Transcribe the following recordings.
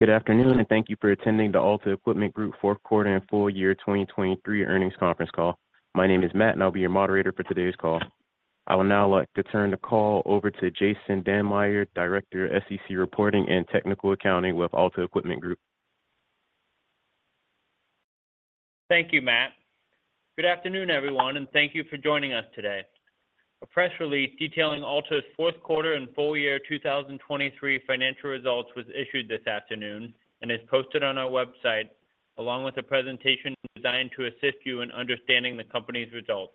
Good afternoon and thank you for attending the Alta Equipment Group fourth quarter and full year 2023 earnings conference call. My name is Matt, and I'll be your moderator for today's call. I would now like to turn the call over to Jason Dammeyer, Director of SEC Reporting and Technical Accounting with Alta Equipment Group. Thank you, Matt. Good afternoon, everyone, and thank you for joining us today. A press release detailing Alta's fourth quarter and full year 2023 financial results was issued this afternoon and is posted on our website, along with a presentation designed to assist you in understanding the company's results.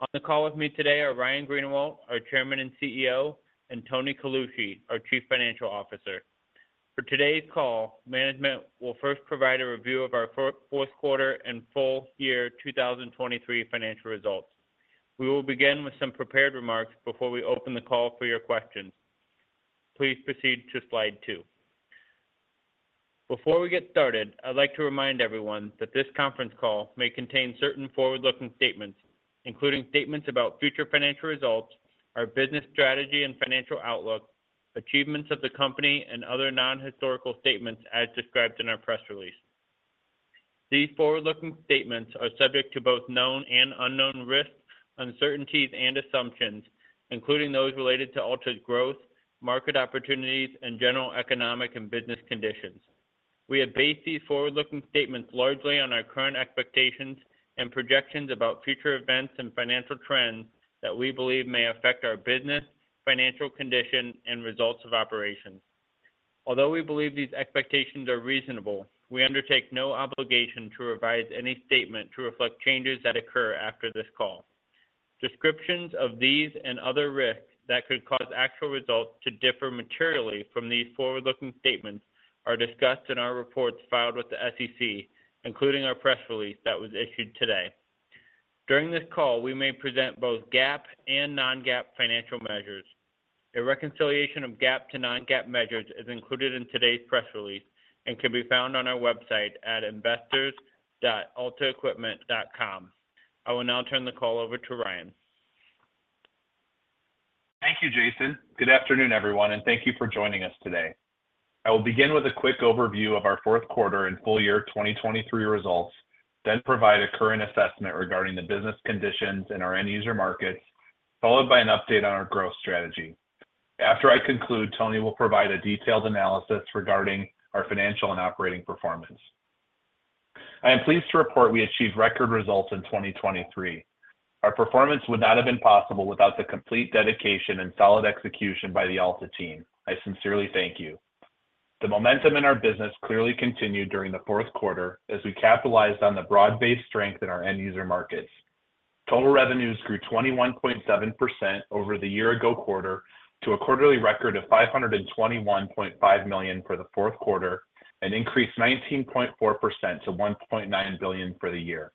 On the call with me today are Ryan Greenawalt, our Chairman and CEO, and Tony Colucci, our Chief Financial Officer. For today's call, management will first provide a review of our fourth quarter and full year 2023 financial results. We will begin with some prepared remarks before we open the call for your questions. Please proceed to slide 2. Before we get started, I'd like to remind everyone that this conference call may contain certain forward-looking statements, including statements about future financial results, our business strategy and financial outlook, achievements of the company, and other non-historical statements as described in our press release. These forward-looking statements are subject to both known and unknown risks, uncertainties and assumptions, including those related to Alta's growth, market opportunities, and general economic and business conditions. We have based these forward-looking statements largely on our current expectations and projections about future events and financial trends that we believe may affect our business, financial condition, and results of operations. Although we believe these expectations are reasonable, we undertake no obligation to revise any statement to reflect changes that occur after this call. Descriptions of these and other risks that could cause actual results to differ materially from these forward-looking statements are discussed in our reports filed with the SEC, including our press release that was issued today. During this call, we may present both GAAP and non-GAAP financial measures. A reconciliation of GAAP to non-GAAP measures is included in today's press release and can be found on our website at investors.altaequipment.com. I will now turn the call over to Ryan. Thank you, Jason. Good afternoon, everyone, and thank you for joining us today. I will begin with a quick overview of our fourth quarter and full year 2023 results, then provide a current assessment regarding the business conditions in our end user markets, followed by an update on our growth strategy. After I conclude, Tony will provide a detailed analysis regarding our financial and operating performance. I am pleased to report we achieved record results in 2023. Our performance would not have been possible without the complete dedication and solid execution by the Alta team. I sincerely thank you. The momentum in our business clearly continued during the fourth quarter as we capitalized on the broad-based strength in our end user markets. Total revenues grew 21.7% over the year-ago quarter to a quarterly record of $521.5 million for the fourth quarter and increased 19.4% to $1.9 billion for the year.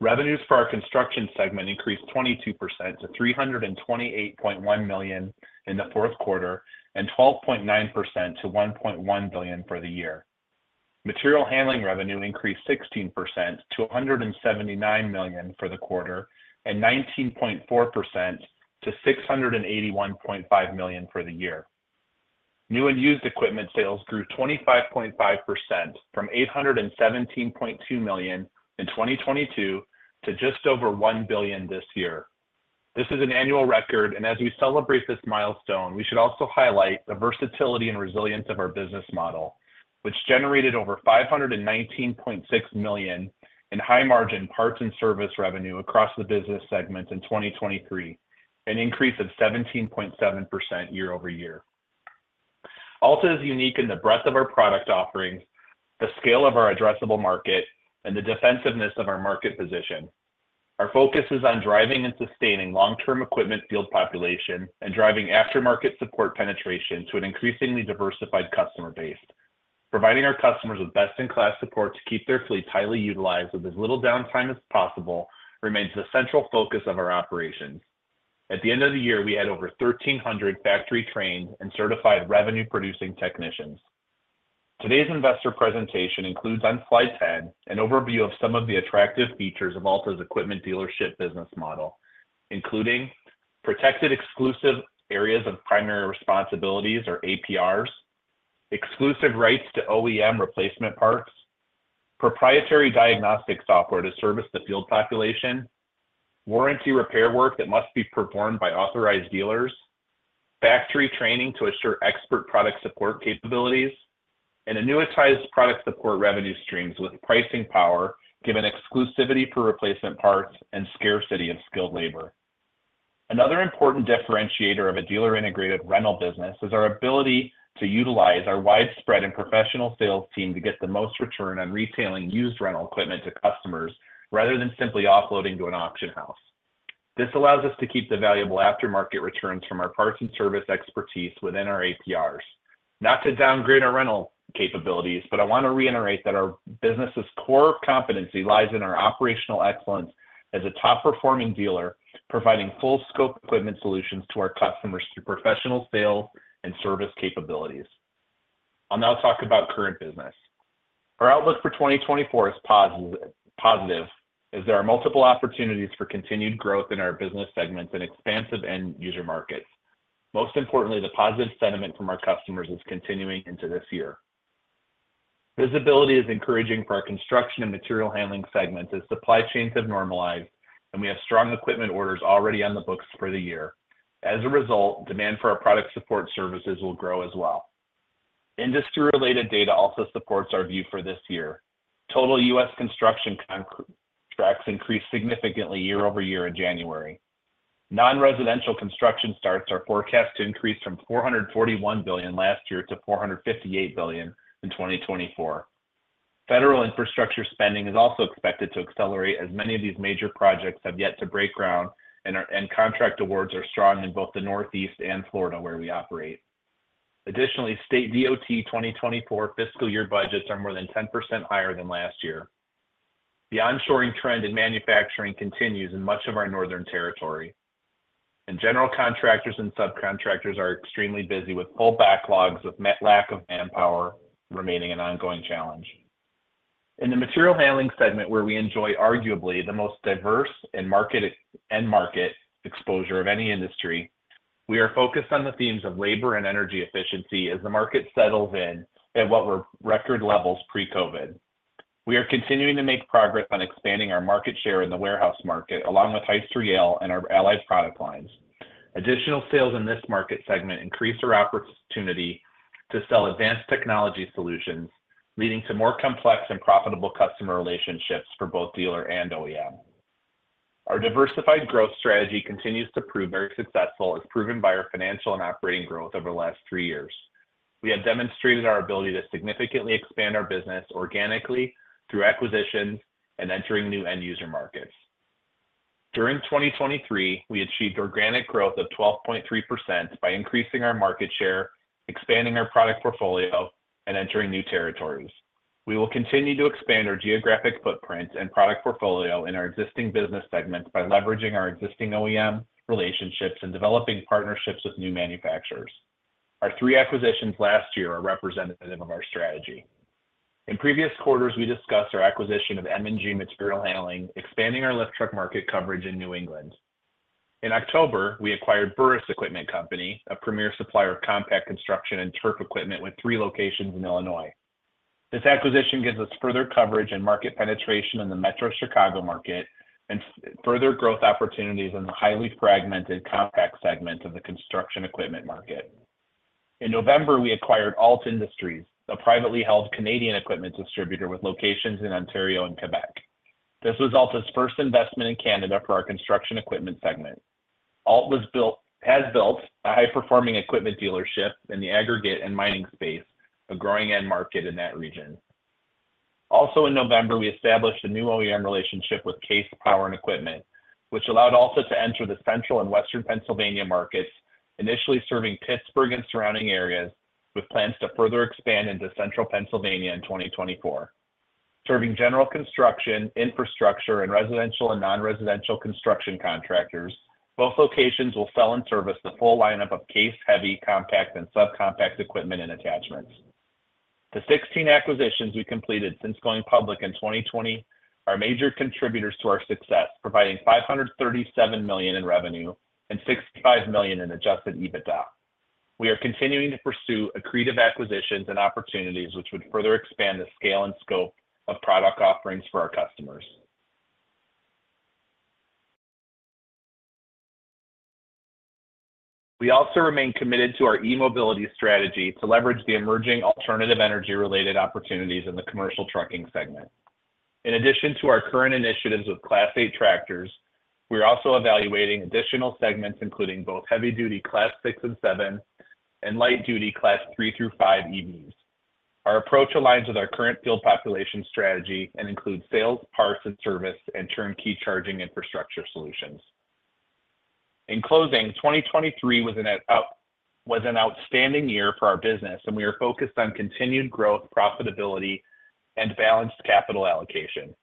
Revenues for our construction segment increased 22% to $328.1 million in the fourth quarter and 12.9% to $1.1 billion for the year. Material handling revenue increased 16% to $179 million for the quarter and 19.4% to $681.5 million for the year. New and used equipment sales grew 25.5% from $817.2 million in 2022 to just over $1 billion this year. This is an annual record, and as we celebrate this milestone, we should also highlight the versatility and resilience of our business model, which generated over $519.6 million in high-margin parts and service revenue across the business segments in 2023, an increase of 17.7% year-over-year. Alta is unique in the breadth of our product offerings, the scale of our addressable market, and the defensiveness of our market position. Our focus is on driving and sustaining long-term equipment field population and driving aftermarket support penetration to an increasingly diversified customer base. Providing our customers with best-in-class support to keep their fleets highly utilized with as little downtime as possible remains the central focus of our operations. At the end of the year, we had over 1,300 factory-trained and certified revenue-producing technicians. Today's investor presentation includes, on slide 10, an overview of some of the attractive features of Alta's equipment dealership business model, including protected exclusive areas of primary responsibilities or APRs, exclusive rights to OEM replacement parts, proprietary diagnostic software to service the field population, warranty repair work that must be performed by authorized dealers, factory training to ensure expert product support capabilities, and annuitized product support revenue streams with pricing power, given exclusivity for replacement parts and scarcity of skilled labor. Another important differentiator of a dealer-integrated rental business is our ability to utilize our widespread and professional sales team to get the most return on reselling used rental equipment to customers, rather than simply offloading to an auction house. This allows us to keep the valuable aftermarket returns from our parts and service expertise within our APRs. Not to downgrade our rental capabilities, but I want to reiterate that our business's core competency lies in our operational excellence as a top-performing dealer, providing full-scope equipment solutions to our customers through professional sales and service capabilities. I'll now talk about current business. Our outlook for 2024 is positive, as there are multiple opportunities for continued growth in our business segments and expansive end-user markets. Most importantly, the positive sentiment from our customers is continuing into this year. Visibility is encouraging for our construction and material handling segments as supply chains have normalized, and we have strong equipment orders already on the books for the year. As a result, demand for our product support services will grow as well. Industry-related data also supports our view for this year. Total US construction contracts increased significantly year-over-year in January. Non-residential construction starts are forecast to increase from $441 billion last year to $458 billion in 2024. Federal infrastructure spending is also expected to accelerate, as many of these major projects have yet to break ground, and contract awards are strong in both the Northeast and Florida, where we operate. Additionally, state DOT 2024 fiscal year budgets are more than 10% higher than last year. The onshoring trend in manufacturing continues in much of our northern territory, and general contractors and subcontractors are extremely busy, with full backlogs, with a lack of manpower remaining an ongoing challenge. In the material handling segment, where we enjoy arguably the most diverse end-market exposure of any industry, we are focused on the themes of labor and energy efficiency as the market settles in at what were record levels pre-COVID. We are continuing to make progress on expanding our market share in the warehouse market, along with Hyster-Yale and our allies' product lines. Additional sales in this market segment increase our opportunity to sell advanced technology solutions, leading to more complex and profitable customer relationships for both dealer and OEM. Our diversified growth strategy continues to prove very successful, as proven by our financial and operating growth over the last three years. We have demonstrated our ability to significantly expand our business organically through acquisitions and entering new end-user markets. During 2023, we achieved organic growth of 12.3% by increasing our market share, expanding our product portfolio, and entering new territories. We will continue to expand our geographic footprint and product portfolio in our existing business segments by leveraging our existing OEM relationships and developing partnerships with new manufacturers. Our three acquisitions last year are representative of our strategy. In previous quarters, we discussed our acquisition of M&G Material Handling, expanding our lift truck market coverage in New England. In October, we acquired Burris Equipment Company, a premier supplier of compact construction and turf equipment, with three locations in Illinois. This acquisition gives us further coverage and market penetration in the metro Chicago market and further growth opportunities in the highly fragmented compact segment of the construction equipment market. In November, we acquired Ault Industries, a privately held Canadian equipment distributor with locations in Ontario and Quebec. This was Alta's first investment in Canada for our construction equipment segment. Ault has built a high-performing equipment dealership in the aggregate and mining space, a growing end market in that region. Also in November, we established a new OEM relationship with Case Power & Equipment, which allowed Alta to enter the central and western Pennsylvania markets, initially serving Pittsburgh and surrounding areas, with plans to further expand into central Pennsylvania in 2024. Serving general construction, infrastructure, and residential and non-residential construction contractors, both locations will sell and service the full lineup of Case heavy, compact, and sub-compact equipment and attachments. The 16 acquisitions we completed since going public in 2020 are major contributors to our success, providing $537 million in revenue and $65 million in Adjusted EBITDA. We are continuing to pursue accretive acquisitions and opportunities which would further expand the scale and scope of product offerings for our customers. We also remain committed to our e-mobility strategy to leverage the emerging alternative energy-related opportunities in the commercial trucking segment. In addition to our current initiatives with Class 8 tractors, we're also evaluating additional segments, including both heavy-duty Class 6 and 7, and light-duty Class 3 through 5 EVs. Our approach aligns with our current field population strategy and includes sales, parts, and service, and turnkey charging infrastructure solutions. In closing, 2023 was an outstanding year for our business, and we are focused on continued growth, profitability, and balanced capital allocation.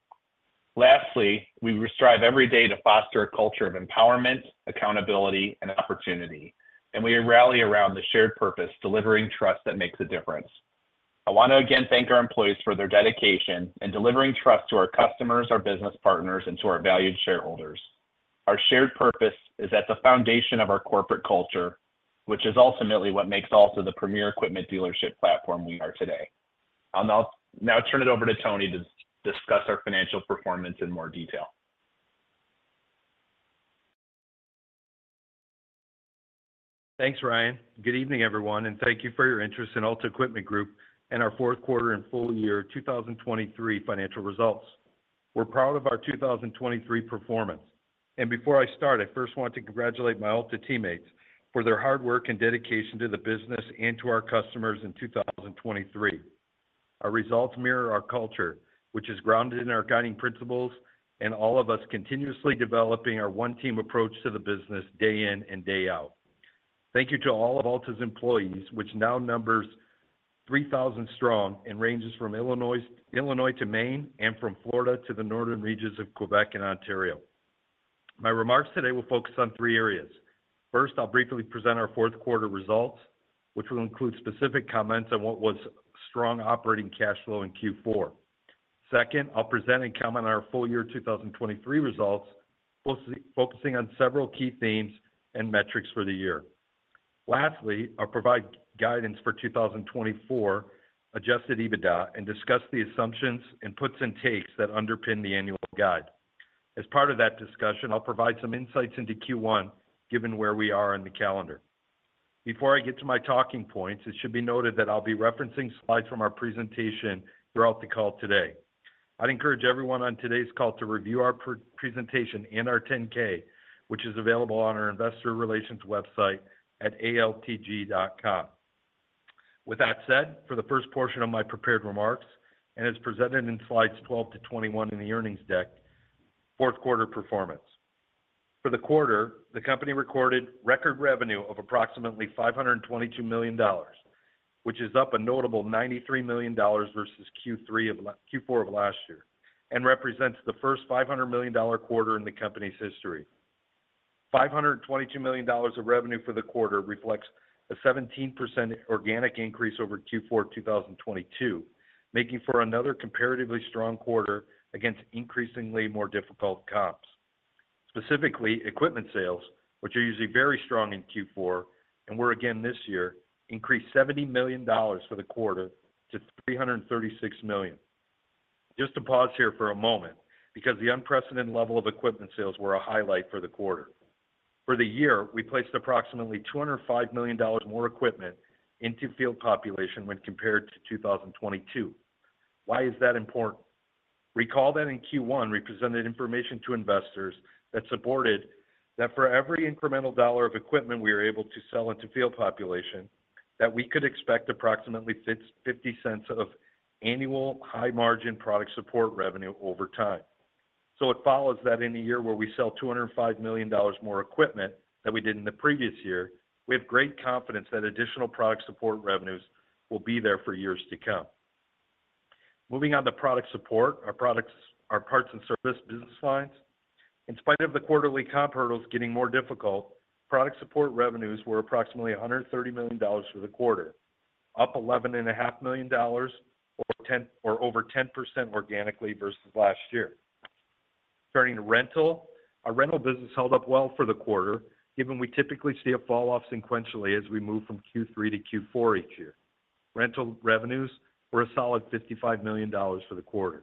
Lastly, we strive every day to foster a culture of empowerment, accountability, and opportunity, and we rally around the shared purpose: delivering trust that makes a difference. I want to again thank our employees for their dedication in delivering trust to our customers, our business partners, and to our valued shareholders. Our shared purpose is at the foundation of our corporate culture, which is ultimately what makes Alta the premier equipment dealership platform we are today. I'll now turn it over to Tony to discuss our financial performance in more detail. Thanks, Ryan. Good evening, everyone, and thank you for your interest in Alta Equipment Group and our fourth quarter and full year 2023 financial results. We're proud of our 2023 performance. Before I start, I first want to congratulate my Alta teammates for their hard work and dedication to the business and to our customers in 2023. Our results mirror our culture, which is grounded in our guiding principles and all of us continuously developing our one team approach to the business, day in and day out. Thank you to all of Alta's employees, which now numbers 3,000 strong and ranges from Illinois to Maine and from Florida to the northern regions of Quebec and Ontario.... My remarks today will focus on three areas. First, I'll briefly present our fourth quarter results, which will include specific comments on what was strong operating cash flow in fourth quarter. Second, I'll present and comment on our full year 2023 results, mostly focusing on several key themes and metrics for the year. Lastly, I'll provide guidance for 2024 adjusted EBITDA, and discuss the assumptions and puts and takes that underpin the annual guide. As part of that discussion, I'll provide some insights into first quarter, given where we are in the calendar. Before I get to my talking points, it should be noted that I'll be referencing slides from our presentation throughout the call today. I'd encourage everyone on today's call to review our presentation and our 10-K, which is available on our investor relations website at altg.com. With that said, for the first portion of my prepared remarks, and is presented in slides 12-21 in the earnings deck, fourth quarter performance. For the quarter, the company recorded record revenue of approximately $522 million, which is up a notable $93 million versus fourth quarter of last year, and represents the first $500 million quarter in the company's history. $522 million of revenue for the quarter reflects a 17% organic increase over fourth quarter of 2022, making for another comparatively strong quarter against increasingly more difficult comps. Specifically, equipment sales, which are usually very strong in fourth quarter, and were again this year, increased $70 million for the quarter to $336 million. Just to pause here for a moment, because the unprecedented level of equipment sales were a highlight for the quarter. For the year, we placed approximately $205 million more equipment into field population when compared to 2022. Why is that important? Recall that in first quarter, we presented information to investors that supported that for every incremental dollar of equipment we are able to sell into field population, that we could expect approximately $0.50 of annual high-margin product support revenue over time. So, it follows that in a year where we sell $205 million more equipment than we did in the previous year, we have great confidence that additional product support revenues will be there for years to come. Moving on to product support, our products, our parts and service business lines. In spite of the quarterly comp hurdles getting more difficult, product support revenues were approximately $130 million for the quarter, up $11.5 million, or 10% or over 10% organically versus last year. Turning to rental. Our rental business held up well for the quarter, given we typically see a falloff sequentially as we move from third quarter to fourth quarter each year. Rental revenues were a solid $55 million for the quarter.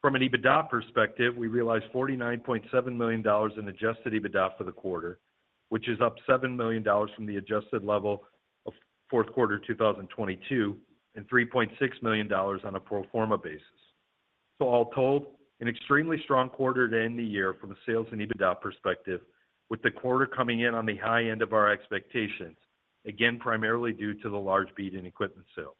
From an EBITDA perspective, we realized $49.7 million in Adjusted EBITDA for the quarter, which is up $7 million from the adjusted level of fourth quarter 2022, and $3.6 million on a pro forma basis. So, all told, an extremely strong quarter to end the year from a sales and EBITDA perspective, with the quarter coming in on the high end of our expectations, again, primarily due to the large beat in equipment sales.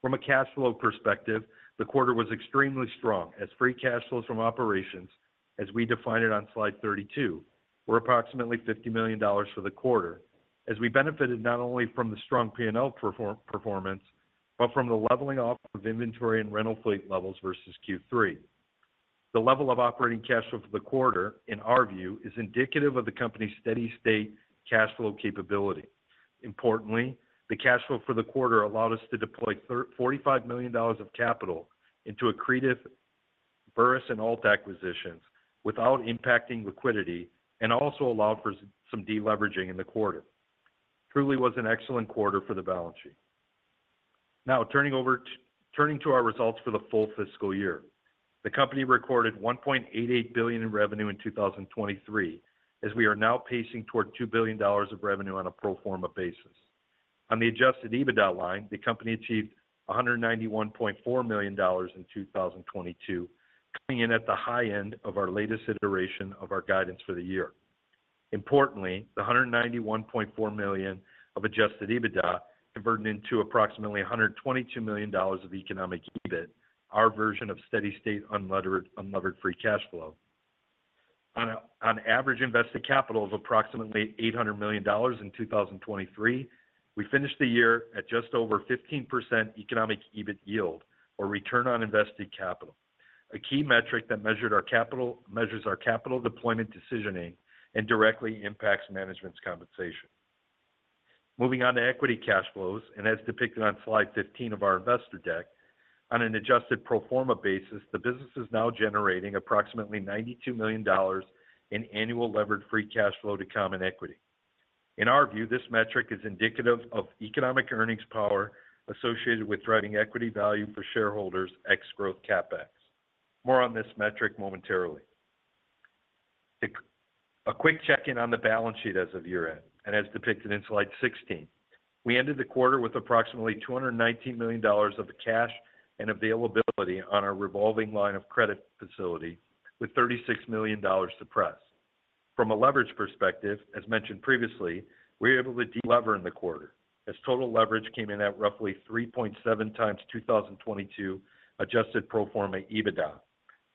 From a cash flow perspective, the quarter was extremely strong as free cash flows from operations, as we define it on slide 32, were approximately $50 million for the quarter, as we benefited not only from the strong P&L performance, but from the leveling off of inventory and rental fleet levels versus third quarter. The level of operating cash flow for the quarter, in our view, is indicative of the company's steady state cash flow capability. Importantly, the cash flow for the quarter allowed us to deploy $45 million of capital into accretive Burris and Ault acquisitions without impacting liquidity and also allowed for some deleveraging in the quarter. Truly was an excellent quarter for the balance sheet. Now, turning to our results for the full fiscal year. The company recorded $1.88 billion in revenue in 2023, as we are now pacing toward $2 billion of revenue on a pro forma basis. On the Adjusted EBITDA line, the company achieved $191.4 million in 2022, coming in at the high end of our latest iteration of our guidance for the year. Importantly, the $191.4 million of Adjusted EBITDA converted into approximately $122 million of Economic EBIT, our version of steady-state unlevered, unlevered-free cash flow. On average, invested capital of approximately $800 million in 2023, we finished the year at just over 15% Economic EBIT yield or return on invested capital, a key metric that measured our capital, measures our capital deployment decisioning and directly impacts management's compensation. Moving on to equity cash flows, and as depicted on slide 15 of our investor deck, on an adjusted pro forma basis, the business is now generating approximately $92 million in annual levered-free cash flow to common equity. In our view, this metric is indicative of economic earnings power associated with driving equity value for shareholders, ex growth CapEx. More on this metric momentarily. A quick check-in on the balance sheet as of year-end, and as depicted in slide 16. We ended the quarter with approximately $219 million of cash and availability on our revolving line of credit facility with $36 million excess. From a leverage perspective, as mentioned previously, we were able to delever in the quarter, as total leverage came in at roughly 3.7x 2022 Adjusted pro forma EBITDA,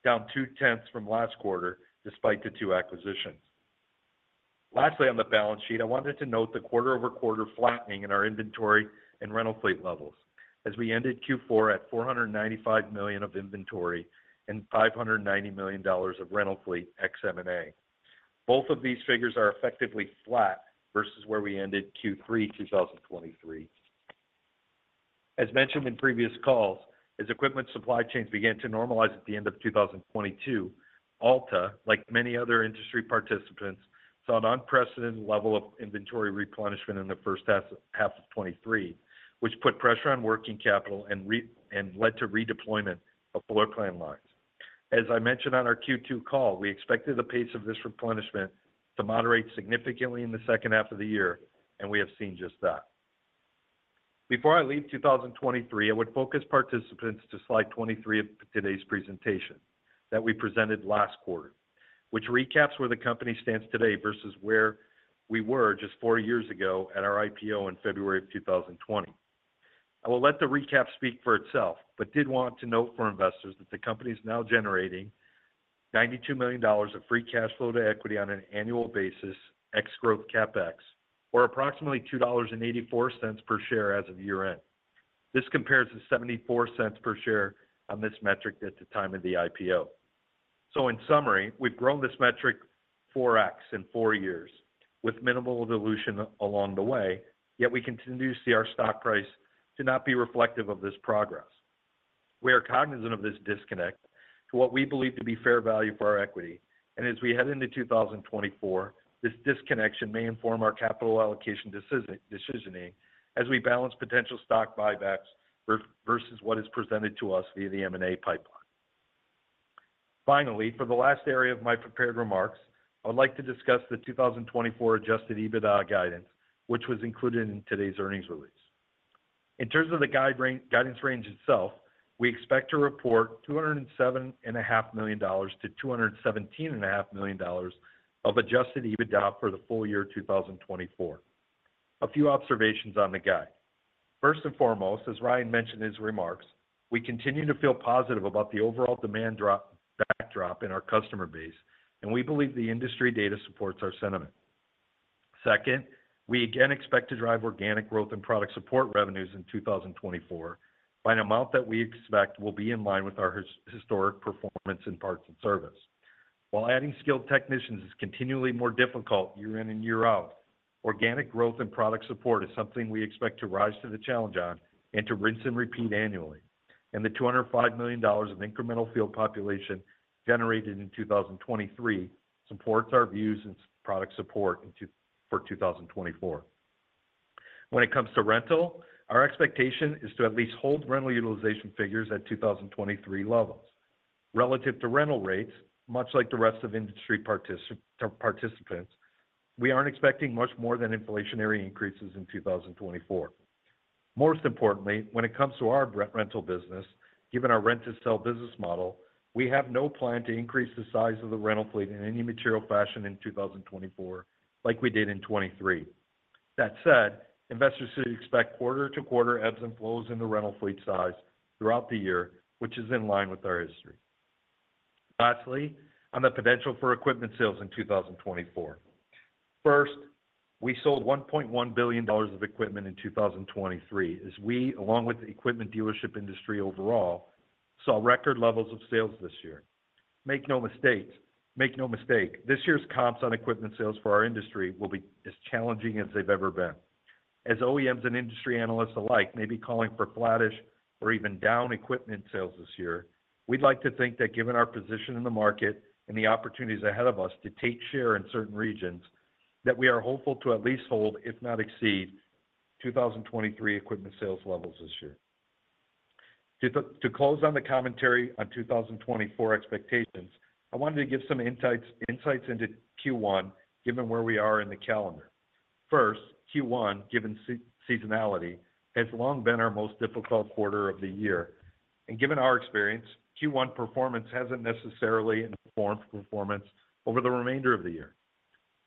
down 0.2 from last quarter despite the two acquisitions. Lastly, on the balance sheet, I wanted to note the quarter-over-quarter flattening in our inventory and rental fleet levels as we ended fourth quarter at $495 million of inventory and $590 million of rental fleet ex M&A. Both of these figures are effectively flat versus where we ended third quarter 2023. As mentioned in previous calls, as equipment supply chains began to normalize at the end of 2022, Alta, like many other industry participants, saw an unprecedented level of inventory replenishment in the first half of 2023, which put pressure on working capital and led to redeployment of floor plan lines. As I mentioned on our second quarter call, we expected the pace of this replenishment to moderate significantly in the second half of the year, and we have seen just that. Before I leave 2023, I would focus participants to slide 23 of today's presentation that we presented last quarter, which recaps where the company stands today versus where we were just four years ago at our IPO in February of 2020. I will let the recap speak for itself, but did want to note for investors that the company is now generating $92 million of free cash flow to equity on an annual basis, ex growth CapEx, or approximately $2.84 per share as of year-end. This compares to $0.74 per share on this metric at the time of the IPO. So in summary, we've grown this metric 4x in four years with minimal dilution along the way, yet we continue to see our stock price to not be reflective of this progress. We are cognizant of this disconnect to what we believe to be fair value for our equity, and as we head into 2024, this disconnection may inform our capital allocation decisioning as we balance potential stock buybacks versus what is presented to us via the M&A pipeline. Finally, for the last area of my prepared remarks, I would like to discuss the 2024 Adjusted EBITDA guidance, which was included in today's earnings release. In terms of the guidance range itself, we expect to report $207.5 to 217.5 million of Adjusted EBITDA for the full year 2024. A few observations on the guide. First and foremost, as Ryan mentioned in his remarks, we continue to feel positive about the overall demand backdrop in our customer base, and we believe the industry data supports our sentiment. Second, we again expect to drive organic growth and product support revenues in 2024 by an amount that we expect will be in line with our historic performance in parts and service. While adding skilled technicians is continually more difficult year in and year out, organic growth and product support is something we expect to rise to the challenge on and to rinse and repeat annually. The $205 million of incremental field population generated in 2023 supports our views and product support in 2024. When it comes to rental, our expectation is to at least hold rental utilization figures at 2023 levels. Relative to rental rates, much like the rest of industry participants, we aren't expecting much more than inflationary increases in 2024. Most importantly, when it comes to our re-rental business, given our rent-to-sell business model, we have no plan to increase the size of the rental fleet in any material fashion in 2024 like we did in 2023. That said, investors should expect quarter-to-quarter ebbs and flows in the rental fleet size throughout the year, which is in line with our history. Lastly, on the potential for equipment sales in 2024. First, we sold $1.1 billion of equipment in 2023, as we, along with the equipment dealership industry overall, saw record levels of sales this year. Make no mistake, this year's comps on equipment sales for our industry will be as challenging as they've ever been. As OEMs and industry analysts alike may be calling for flattish or even down equipment sales this year, we'd like to think that given our position in the market and the opportunities ahead of us to take share in certain regions, that we are hopeful to at least hold, if not exceed, 2023 equipment sales levels this year. To close on the commentary on 2024 expectations, I wanted to give some insights into first quarter, given where we are in the calendar. First, first quarter, given seasonality, has long been our most difficult quarter of the year. And given our experience, first quarter performance hasn't necessarily informed performance over the remainder of the year.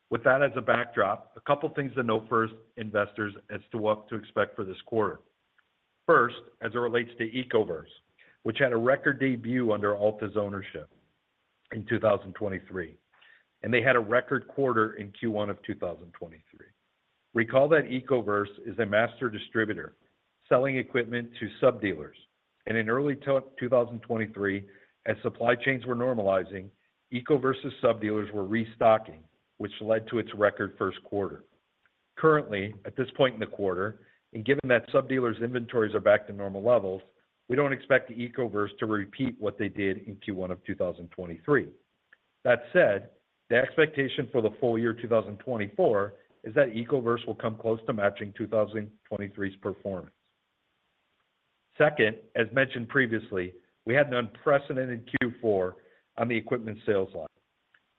With that as a backdrop, a couple of things to note for investors as to what to expect for this quarter. First, as it relates to Ecoverse, which had a record debut under Alta's ownership in 2023, and they had a record quarter in first quarter of 2023. Recall that Ecoverse is a master distributor, selling equipment to subdealers. In early 2023, as supply chains were normalizing, Ecoverse's subdealers were restocking, which led to its record first quarter. Currently, at this point in the quarter, and given that subdealers' inventories are back to normal levels, we don't expect the Ecoverse to repeat what they did in first quarter of 2023. That said, the expectation for the full year 2024 is that Ecoverse will come close to matching 2023's performance. Second, as mentioned previously, we had an unprecedented fourth quarter on the equipment sales line,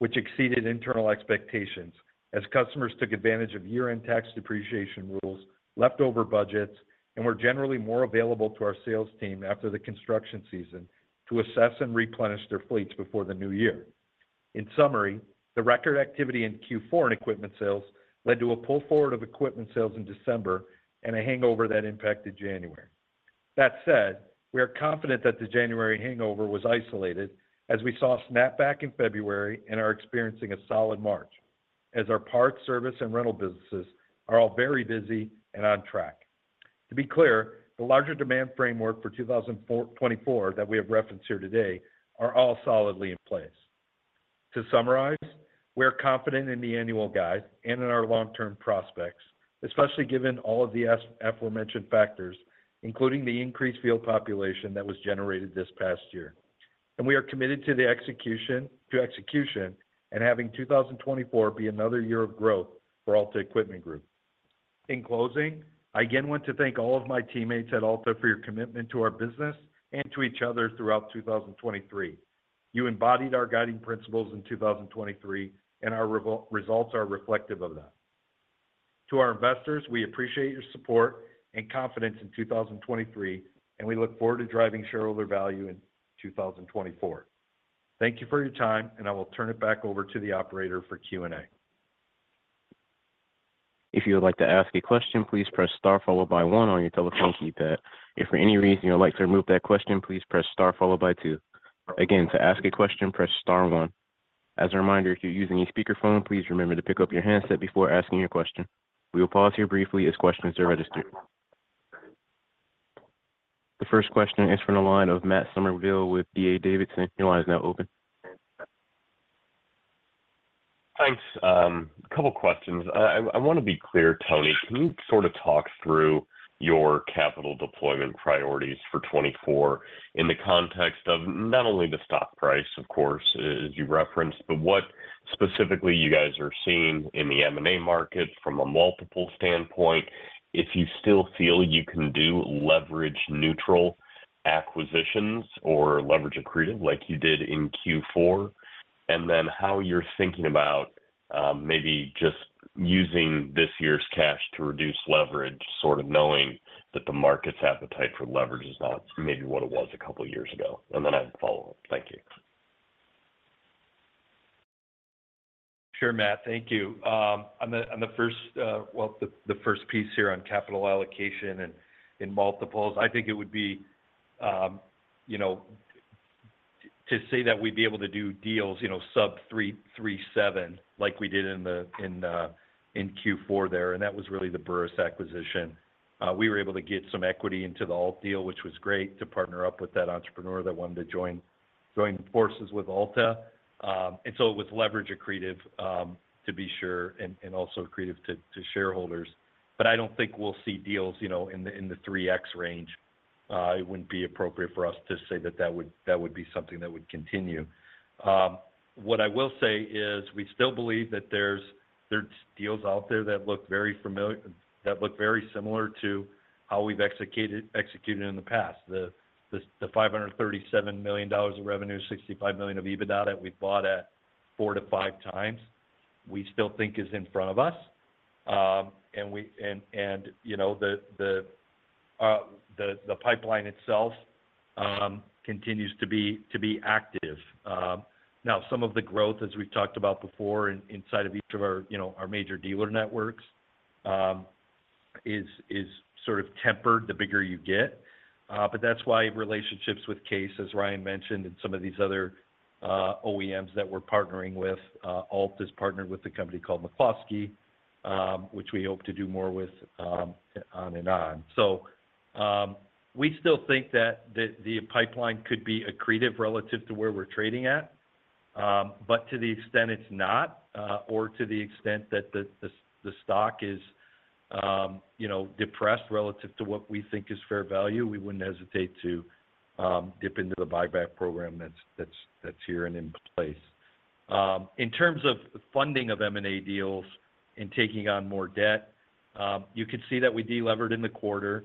which exceeded internal expectations as customers took advantage of year-end tax depreciation rules, leftover budgets, and were generally more available to our sales team after the construction season to assess and replenish their fleets before the new year. In summary, the record activity in fourth quarter in equipment sales led to a pull forward of equipment sales in December and a hangover that impacted January. That said, we are confident that the January hangover was isolated as we saw a snap back in February and are experiencing a solid March, as our parts, service, and rental businesses are all very busy and on track. To be clear, the larger demand framework for 2024 that we have referenced here today are all solidly in place. To summarize, we are confident in the annual guide and in our long-term prospects, especially given all of the aforementioned factors, including the increased field population that was generated this past year. We are committed to execution and having 2024 be another year of growth for Alta Equipment Group. In closing, I again want to thank all of my teammates at Alta for your commitment to our business and to each other throughout 2023. You embodied our guiding principles in 2023, and our results are reflective of that. To our investors, we appreciate your support and confidence in 2023, and we look forward to driving shareholder value in 2024. Thank you for your time, and I will turn it back over to the operator for Q&A. If you would like to ask a question, please press star followed by one on your telephone keypad. If for any reason you would like to remove that question, please press star followed by two. Again, to ask a question, press star one. As a reminder, if you're using a speakerphone, please remember to pick up your handset before asking your question. We will pause here briefly as questions are registered. The first question is from the line of Matt Summerville with D.A. Davidson. Your line is now open. Thanks. A couple questions. I want to be clear, Tony. Can you sort of talk through your capital deployment priorities for 2024 in the context of not only the stock price, of course, as you referenced, but what specifically you guys are seeing in the M&A market from a multiple standpoint, if you still feel you can do leverage-neutral acquisitions or leverage accretive like you did in fourth quarter? And then how you're thinking about maybe just using this year's cash to reduce leverage, sort of knowing that the market's appetite for leverage is not maybe what it was a couple of years ago? And then I have a follow-up. Thank you. Sure, Matt. Thank you. On the first piece here on capital allocation and in multiples, I think it would be, you know, to say that we'd be able to do deals, you know, sub 3.7x, like we did in fourth quarter there, and that was really the Burris acquisition. We were able to get some equity into the ALT deal, which was great to partner up with that entrepreneur that wanted to join forces with Alta. And so it was leverage accretive, to be sure, and also accretive to shareholders. But I don't think we'll see deals, you know, in the 3x range. It wouldn't be appropriate for us to say that that would be something that would continue. What I will say is we still believe that there's deals out there that look very similar to how we've executed in the past. The $537 million of revenue, $65 million of EBITDA that we bought at 4-5 times, we still think is in front of us. And, you know, the pipeline itself continues to be active. Now, some of the growth, as we've talked about before inside of each of our, you know, our major dealer networks, is sort of tempered the bigger you get. But that's why relationships with Case, as Ryan mentioned, and some of these other OEMs that we're partnering with, Alta's partnered with a company called McCloskey, which we hope to do more with, on and on. So, we still think that the pipeline could be accretive relative to where we're trading at. But to the extent it's not, or to the extent that the stock is, you know, depressed relative to what we think is fair value, we wouldn't hesitate to dip into the buyback program that's here and in place. In terms of funding of M&A deals and taking on more debt, you could see that we delevered in the quarter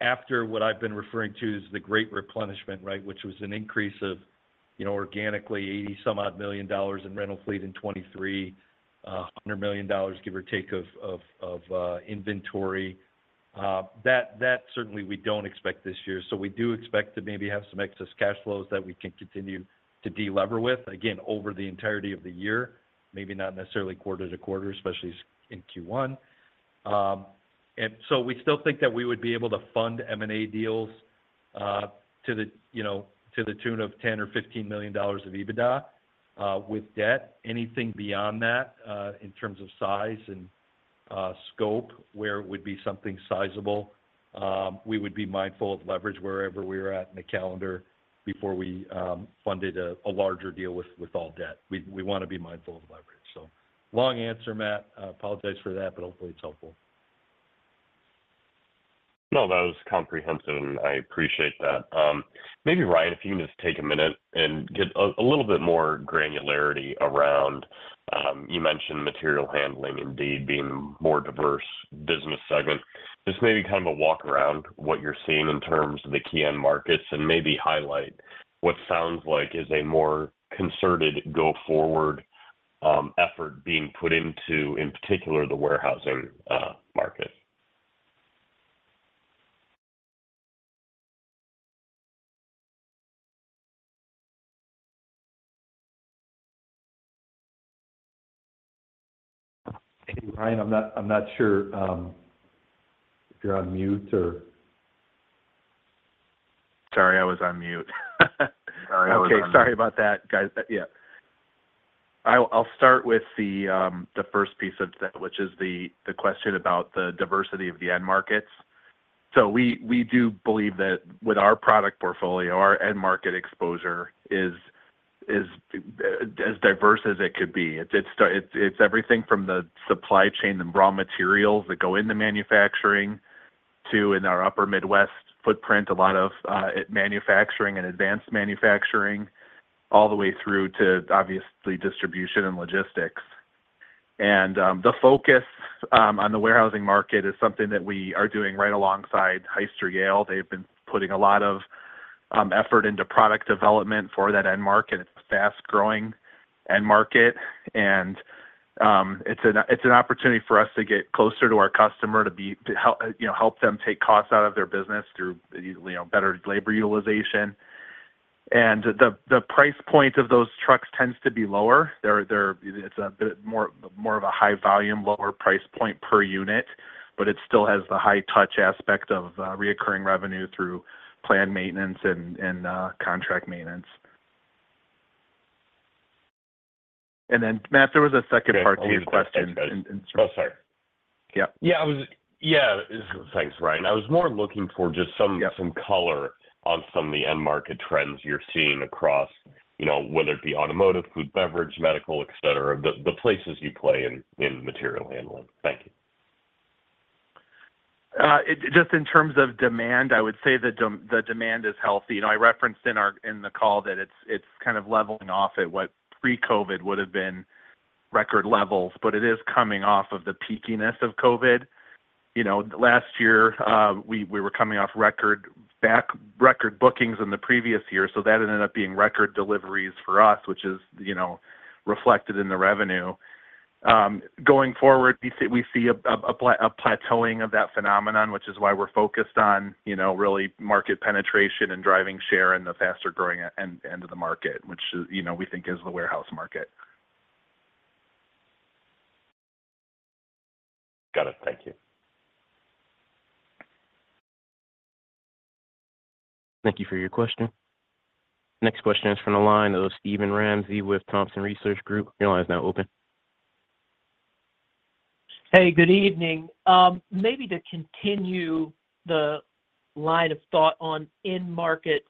after what I've been referring to as the great replenishment, right? Which was an increase of, you know, organically, $80-some-odd million in rental fleet in 2023, $100 million, give or take, of inventory. That certainly we don't expect this year. So, we do expect to maybe have some excess cash flows that we can continue to deliver with, again, over the entirety of the year, maybe not necessarily quarter to quarter, especially in first quarter. And so, we still think that we would be able to fund M&A deals, to the, you know, to the tune of $10 or $15 million of EBITDA, with debt. Anything beyond that, in terms of size and scope, where it would be something sizable, we would be mindful of leverage wherever we're at in the calendar before we funded a larger deal with all debt. We wanna be mindful of leverage. So, long answer, Matt. I apologize for that, but hopefully it's helpful. No, that was comprehensive, and I appreciate that. Maybe, Ryan, if you can just take a minute and get a little bit more granularity around, you mentioned material handling indeed being a more diverse business segment. Just maybe kind of a walk around what you're seeing in terms of the key end markets and maybe highlight what sounds like is a more concerted go-forward effort being put into, in particular, the warehousing market. Ryan, I'm not sure if you're on mute or? Sorry, I was on mute.... Okay, sorry about that, guys. Yeah. I'll start with the first piece of that, which is the question about the diversity of the end markets. So we do believe that with our product portfolio, our end market exposure is as diverse as it could be. It's everything from the supply chain, the raw materials that go into manufacturing, to in our upper Midwest footprint, a lot of manufacturing and advanced manufacturing, all the way through to, obviously, distribution and logistics. The focus on the warehousing market is something that we are doing right alongside Hyster-Yale. They've been putting a lot of effort into product development for that end market. It's a fast-growing end market, and it's an opportunity for us to get closer to our customer, to help, you know, help them take costs out of their business through, you know, better labor utilization. And the price point of those trucks tends to be lower. It's a bit more of a high volume, lower price point per unit, but it still has the high touch aspect of recurring revenue through planned maintenance and contract maintenance. And then, Matt, there was a second part to your question. So sorry. Yeah. Yeah. Thanks, Ryan. I was more looking for just some... Yeah Some color on some of the end market trends you're seeing across, you know, whether it be automotive, food, beverage, medical, et cetera, the places you play in, in material handling. Thank you. Just in terms of demand, I would say the demand is healthy. You know, I referenced in our, in the call that it's kind of leveling off at what pre-COVID would have been record levels, but it is coming off of the peakiness of COVID. You know, last year, we were coming off record back record bookings in the previous year, so that ended up being record deliveries for us, which is, you know, reflected in the revenue. Going forward, we see a plateauing of that phenomenon, which is why we're focused on, you know, really market penetration and driving share in the faster-growing end of the market, which, you know, we think is the warehouse market. Got it. Thank you. Thank you for your question. Next question is from the line of Steven Ramsey with Thompson Research Group. Your line is now open. Hey, good evening. Maybe to continue the line of thought on end markets,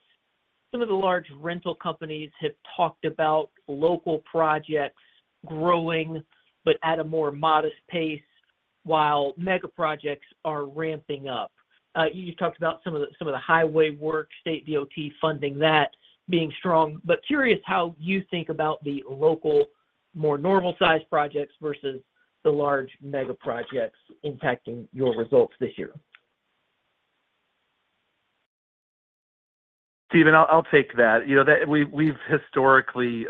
some of the large rental companies have talked about local projects growing, but at a more modest pace, while mega projects are ramping up. You talked about some of the highway work, state DOT funding, that being strong, but curious how you think about the local, more normal-sized projects versus the large mega projects impacting your results this year. Steven, I'll take that. You know, that we've historically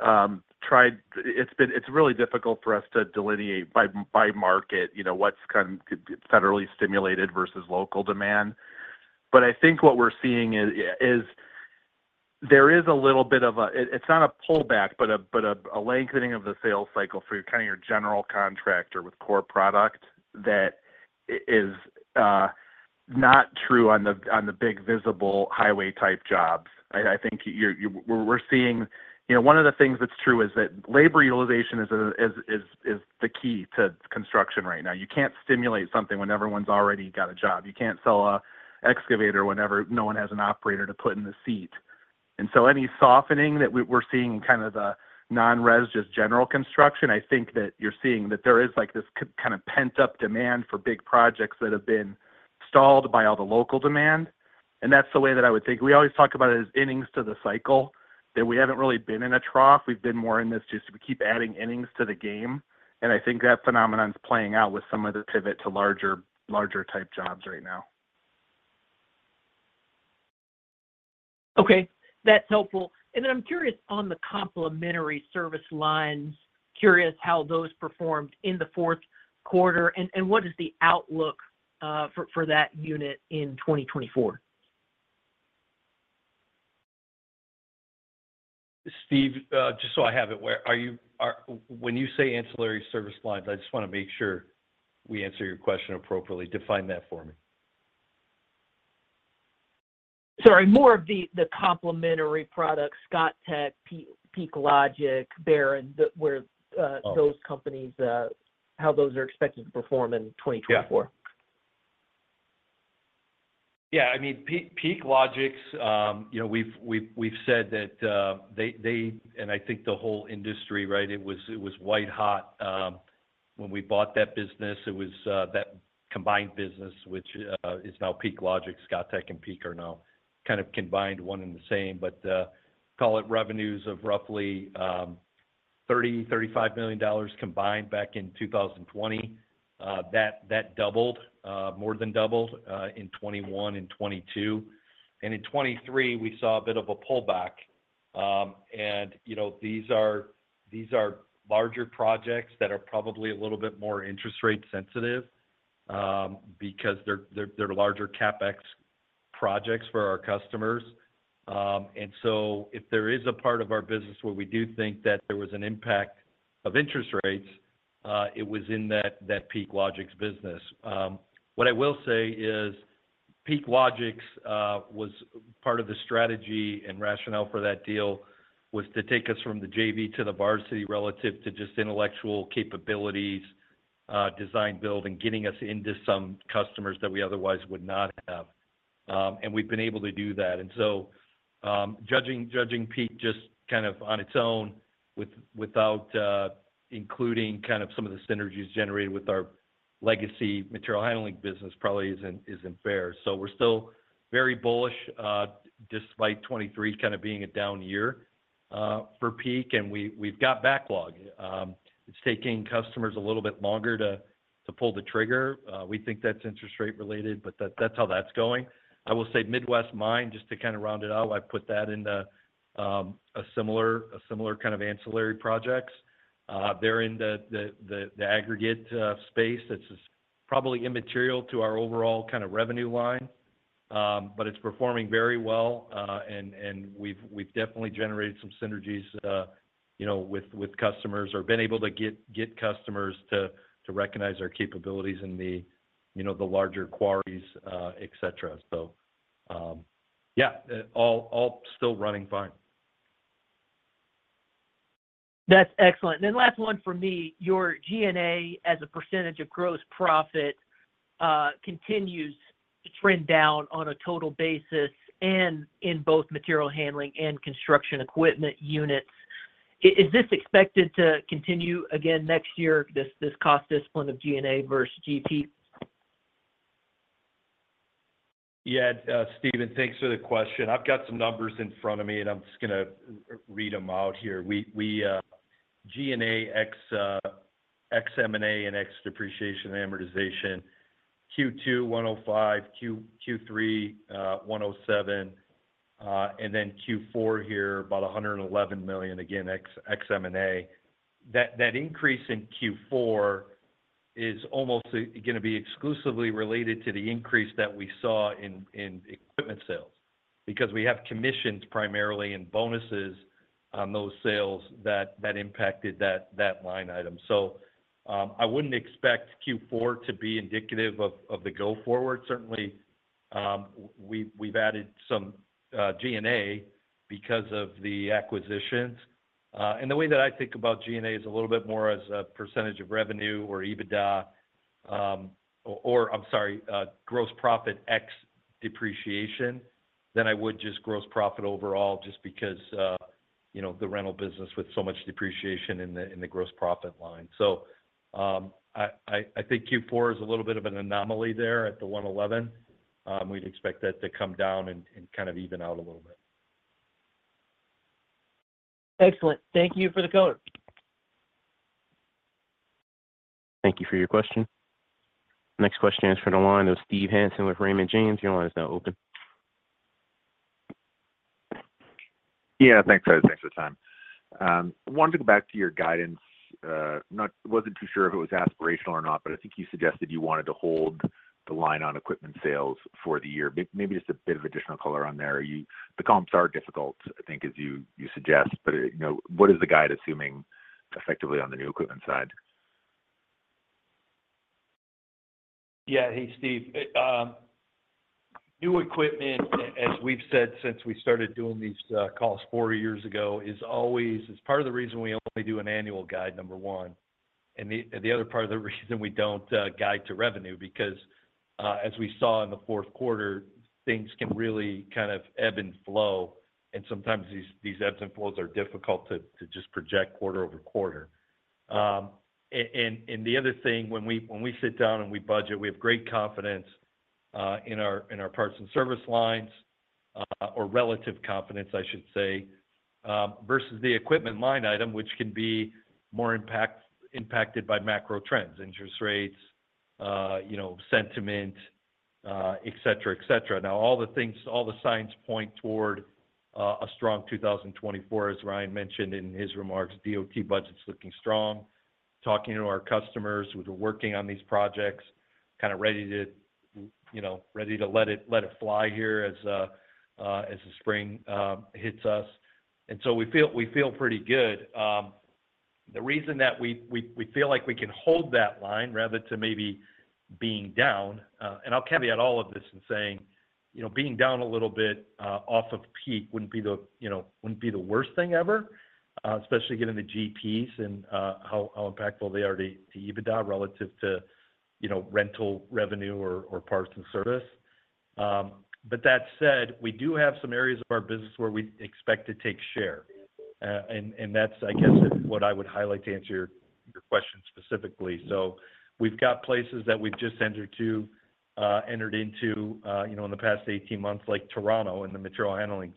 tried. It's really difficult for us to delineate by market, you know, what's kind of federally stimulated versus local demand. But I think what we're seeing is there is a little bit of a. It's not a pullback, but a lengthening of the sales cycle for kind of your general contractor with core product that is not true on the big, visible highway-type jobs. I think we're seeing. You know, one of the things that's true is that labor utilization is the key to construction right now. You can't stimulate something when everyone's already got a job. You can't sell an excavator whenever no one has an operator to put in the seat. And so, any softening that we're seeing in kind of the non-res, just general construction, I think that you're seeing that there is, like, this kind of pent-up demand for big projects that have been stalled by all the local demand, and that's the way that I would think. We always talk about it as innings to the cycle, that we haven't really been in a trough. We've been more in this, just we keep adding innings to the game, and I think that phenomenon is playing out with some of the pivot to larger, larger type jobs right now. Okay, that's helpful. And then I'm curious on the complementary service lines, curious how those performed in the fourth quarter, and what is the outlook for that unit in 2024? Steve, just so I have it, when you say ancillary service lines, I just want to make sure we answer your question appropriately. Define that for me. Sorry, more of the complementary products, ScottTech, PeakLogix, Baron, where those companies, how those are expected to perform in 2024. Yeah. Yeah, I mean, PeakLogix, you know, we've said that, they, and I think the whole industry, right, it was white-hot. When we bought that business, it was that combined business, which is now PeakLogix. ScottTech and Peak are now kind of combined, one and the same. But call it revenues of roughly $30 to 35 million combined back in 2020. That doubled, more than doubled, in 2021 and 2022. And in 2023, we saw a bit of a pullback. And you know, these are larger projects that are probably a little bit more interest rate sensitive, because they're larger CapEx projects for our customers. And so if there is a part of our business where we do think that there was an impact of interest rates, it was in that PeakLogix business. What I will say is, PeakLogix was part of the strategy, and rationale for that deal was to take us from the JV to the varsity relative to just intellectual capabilities, design, build, and getting us into some customers that we otherwise would not have. And we've been able to do that. And so, judging Peak just kind of on its own, without including kind of some of the synergies generated with our legacy material handling business, probably isn't fair. So we're still very bullish, despite 2023 kind of being a down year for Peak, and we've got backlog. It's taking customers a little bit longer to pull the trigger. We think that's interest rate related, but that's how that's going. I will say Midwest Mine, just to kind of round it out, I put that into a similar kind of ancillary projects. They're in the aggregate space that's just probably immaterial to our overall kind of revenue line. But it's performing very well, and we've definitely generated some synergies, you know, with customers, or been able to get customers to recognize our capabilities in the, you know, the larger quarries, et cetera. So, yeah, all still running fine. That's excellent. Then last one for me, your G&A, as a percentage of gross profit, continues to trend down on a total basis, and in both material handling and construction equipment units. Is this expected to continue again next year, this, this cost discipline of G&A versus GP? Yeah, Steven, thanks for the question. I've got some numbers in front of me, and I'm just gonna read them out here. We G&A ex M&A and ex depreciation and amortization: second quarter, $105 million; third quarter, $107 million; and then fourth quarter here, about $111 million, again, ex M&A. That increase in fourth quarter is almost gonna be exclusively related to the increase that we saw in equipment sales, because we have commissions, primarily, and bonuses on those sales that impacted that line item. So, I wouldn't expect fourth quarter to be indicative of the go forward. Certainly, we've added some G&A because of the acquisitions. And the way that I think about G&A is a little bit more as a percentage of revenue or EBITDA, or, or I'm sorry, gross profit ex depreciation, than I would just gross profit overall, just because, you know, the rental business with so much depreciation in the gross profit line. So, I think fourth quarter is a little bit of an anomaly there at the 111. We'd expect that to come down and kind of even out a little bit. Excellent. Thank you for the color. Thank you for your question. Next question is from the line of Steve Hansen with Raymond James. Your line is now open. Yeah, thanks. Thanks for the time. I wanted to go back to your guidance. I wasn't too sure if it was aspirational or not, but I think you suggested you wanted to hold the line on equipment sales for the year. Maybe just a bit of additional color on there. The comps are difficult, I think, as you suggest, but, you know, what is the guide assuming effectively on the new equipment side? Yeah. Hey, Steve, new equipment, as we've said since we started doing these calls four years ago, is always part of the reason we only do an annual guide, number one, and the other part of the reason we don't guide to revenue, because as we saw in the fourth quarter, things can really kind of ebb and flow, and sometimes these ebbs and flows are difficult to just project quarter over quarter. And the other thing, when we sit down and we budget, we have great confidence in our parts and service lines, or relative confidence, I should say, versus the equipment line item, which can be more impacted by macro trends, interest rates, you know, sentiment, et cetera, et cetera. Now, all the signs point toward a strong 2024, as Ryan mentioned in his remarks. DOT budget's looking strong. Talking to our customers who are working on these projects, kind of ready to, you know, ready to let it fly here as the spring hits us. And so we feel pretty good. The reason that we feel like we can hold that line rather than maybe being down, and I'll caveat all of this in saying, you know, being down a little bit off of peak wouldn't be the, you know, wouldn't be the worst thing ever, especially given the GPs and how impactful they are to EBITDA relative to, you know, rental revenue or parts and service. But that said, we do have some areas of our business where we expect to take share. And that's, I guess, what I would highlight to answer your question specifically. So we've got places that we've just entered into, you know, in the past 18 months, like Toronto, in the material handling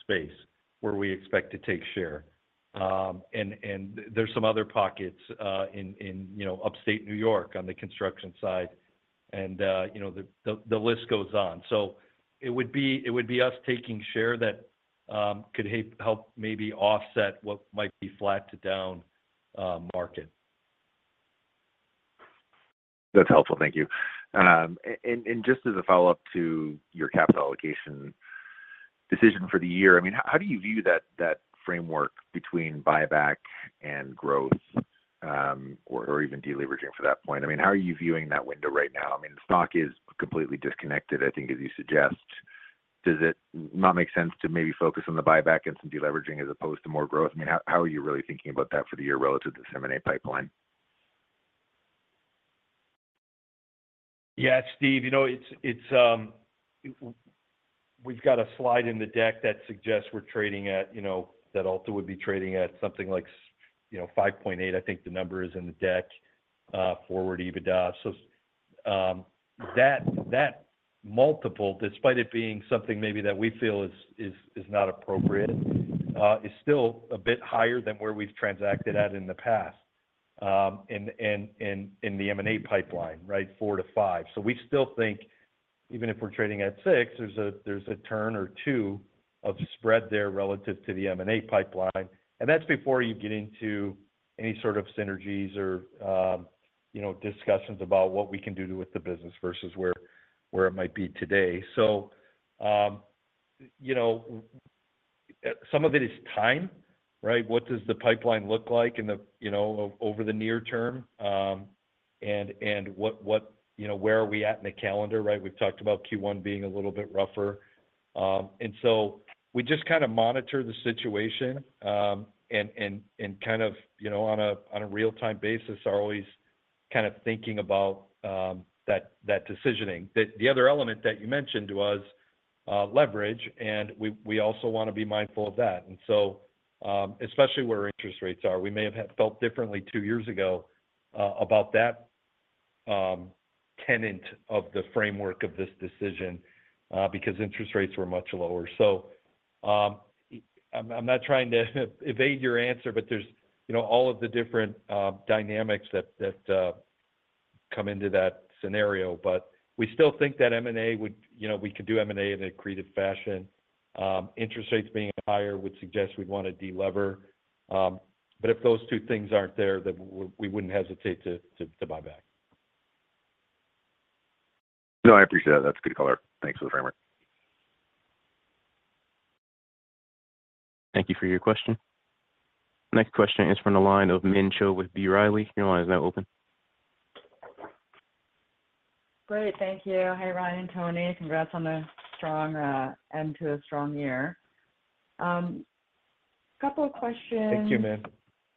space, where we expect to take share. And there's some other pockets in you know, upstate New York on the construction side, and you know, the list goes on. So it would be us taking share that could help maybe offset what might be flat to down market. That's helpful. Thank you. And just as a follow-up to your capital allocation decision for the year, I mean, how do you view that, that framework between buyback and growth, or even deleveraging for that point? I mean, how are you viewing that window right now? I mean, the stock is completely disconnected, I think, as you suggest. Does it not make sense to maybe focus on the buyback and some deleveraging as opposed to more growth? I mean, how are you really thinking about that for the year relative to the M&A pipeline? Yeah, Steve, you know, it's, we've got a slide in the deck that suggests we're trading at, you know, that Alta would be trading at something like you know, 5.8, I think the number is in the deck, forward EBITDA. So, that multiple, despite it being something maybe that we feel is not appropriate, is still a bit higher than where we've transacted at in the past, in the M&A pipeline, right? 4-5. So we still think even if we're trading at 6, there's a turn or two of spread there relative to the M&A pipeline, and that's before you get into any sort of synergies or, you know, discussions about what we can do with the business versus where it might be today. So, you know, some of it is time, right? What does the pipeline look like in the, you know, over the near term? And kind of, you know, on a real-time basis, are always kind of thinking about that decisioning. The other element that you mentioned was leverage, and we also want to be mindful of that. And so, especially where interest rates are. We may have had felt differently two years ago about that tenet of the framework of this decision because interest rates were much lower. So, I'm not trying to evade your answer, but there's, you know, all of the different dynamics that come into that scenario. But we still think that M&A would—you know, we could do M&A in a creative fashion. Interest rates being higher would suggest we'd want to delever, but if those two things aren't there, then we wouldn't hesitate to buy back. No, I appreciate that. That's a good color. Thanks for the framework. Thank you for your question. Next question is from the line of Min Cho with B. Riley. Your line is now open. Great. Thank you. Hi, Ryan and Tony. Congrats on a strong end to a strong year. Couple of questions. Thank you, Min.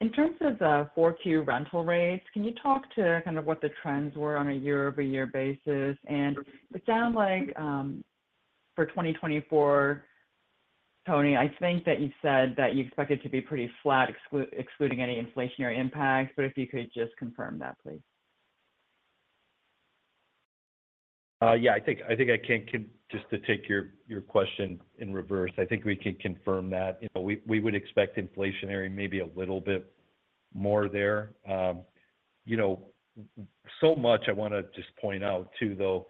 In terms of the 4Q rental rates, can you talk to kind of what the trends were on a year-over-year basis? And it sounds like, for 2024, Tony, I think that you said that you expect it to be pretty flat, excluding any inflationary impacts, but if you could just confirm that, please. Just to take your question in reverse, I think we can confirm that, you know, we would expect inflationary maybe a little bit more there. You know, so much I wanna just point out, too, though,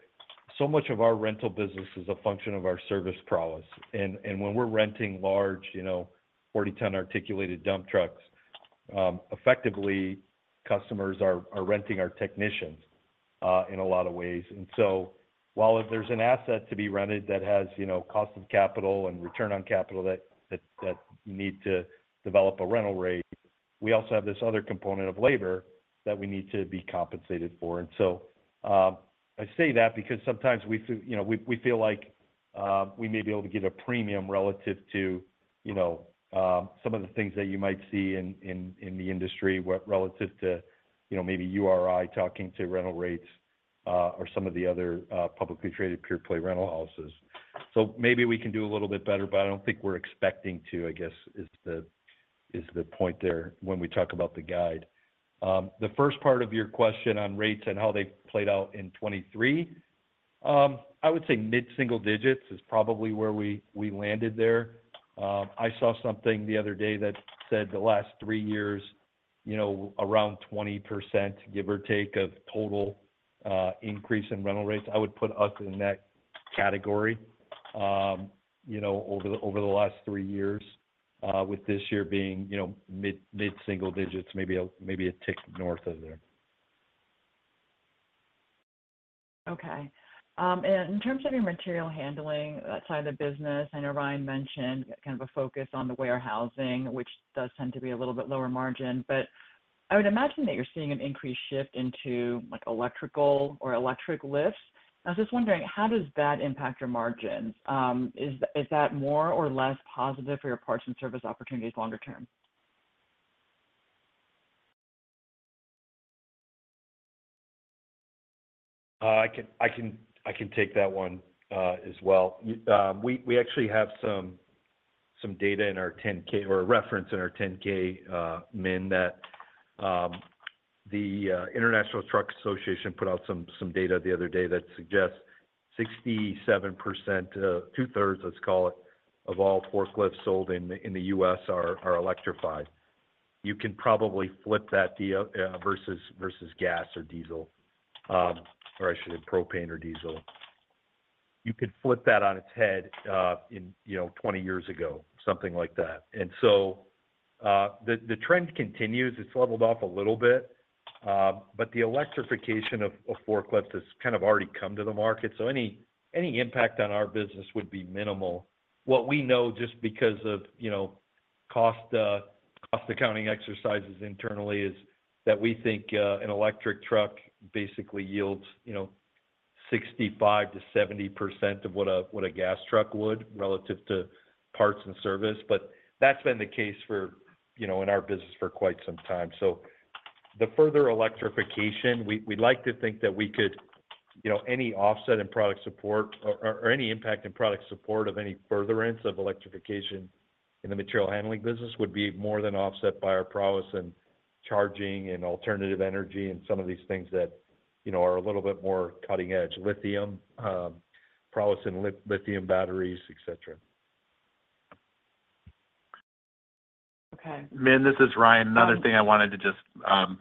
so much of our rental business is a function of our service prowess. And when we're renting large, you know, 40-ton articulated dump trucks, effectively, customers are renting our technicians in a lot of ways. And so, while if there's an asset to be rented that has, you know, cost of capital and return on capital that you need to develop a rental rate, we also have this other component of labor that we need to be compensated for. And so, I say that because sometimes we, you know, feel like we may be able to get a premium relative to, you know, some of the things that you might see in the industry relative to, you know, maybe URI, talking to rental rates, or some of the other publicly traded pure-play rental houses. So maybe we can do a little bit better, but I don't think we're expecting to, I guess, is the point there when we talk about the guide. The first part of your question on rates and how they played out in 2023, I would say mid-single digits is probably where we landed there. I saw something the other day that said the last three years, you know, around 20%, give or take, of total increase in rental rates. I would put us in that category, you know, over the, over the last three years, with this year being, you know, mid-single digits, maybe a tick north of there. Okay. And in terms of your material handling side of the business, I know Ryan mentioned kind of a focus on the warehousing, which does tend to be a little bit lower margin, but I would imagine that you're seeing an increased shift into, like, electrical or electric lifts. I was just wondering: How does that impact your margins? Is that more or less positive for your parts and service opportunities longer term? I can take that one as well. We actually have some data in our 10-K or a reference in our 10-K, Min, that the International Truck Association put out some data the other day that suggests 67%, two-thirds, let's call it, of all forklifts sold in the US are electrified. You can probably flip that versus gas or diesel, or I should say propane or diesel. You could flip that on its head in, you know, 20 years ago, something like that. So the trend continues. It's leveled off a little bit, but the electrification of forklifts has kind of already come to the market, so any impact on our business would be minimal. What we know, just because of, you know, cost, cost accounting exercises internally, is that we think, an electric truck basically yields, you know, 65% to 70% of what a, what a gas truck would, relative to parts and service. But that's been the case for, you know, in our business for quite some time. So the further electrification, we, we'd like to think that we could, you know, any offset in product support or any impact in product support of any furtherance of electrification in the material handling business would be more than offset by our prowess in charging and alternative energy and some of these things that, you know, are a little bit more cutting edge. Lithium, prowess in lithium batteries, et cetera. Okay. Min, this is Ryan. Another thing I wanted to just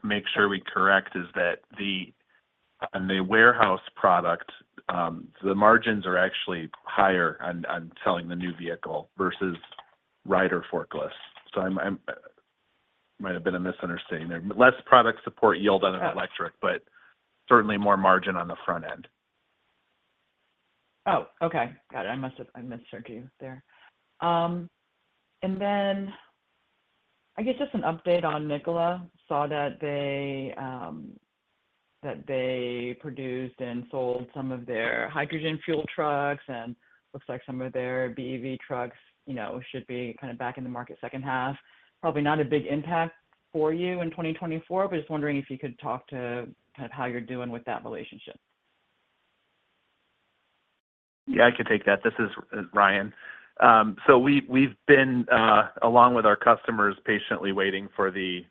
make sure we correct is that, on the warehouse product, the margins are actually higher on selling the new vehicle versus rider forklifts. So, there might have been a misunderstanding there. Less product support yield on an electric. Yes But certainly, more margin on the front end. Oh, okay. Got it. I must have misheard you there. And then, I guess just an update on Nikola. Saw that they, that they produced and sold some of their hydrogen fuel trucks, and looks like some of their BEV trucks, you know, should be kind of back in the market second half. Probably not a big impact for you in 2024 but just wondering if you could talk to kind of how you're doing with that relationship. Yeah, I can take that. This is Ryan. So we've been, along with our customers, patiently waiting for the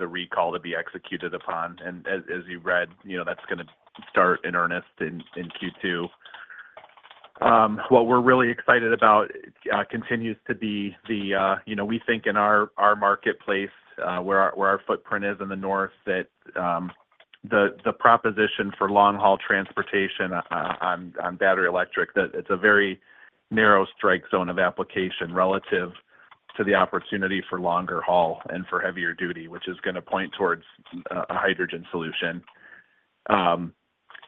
recall to be executed upon, and as you read, you know, that's gonna start in earnest in second quarter. What we're really excited about continues to be the you know, we think in our marketplace, where our footprint is in the north, that the proposition for long-haul transportation on battery electric, that it's a very narrow strike zone of application relative to the opportunity for longer haul and for heavier duty, which is gonna point towards a hydrogen solution.